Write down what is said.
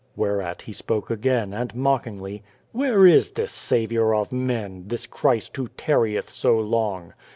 Where at he spoke again, and mockingly :" Where is this Saviour of Men, this Christ who tarrieth so long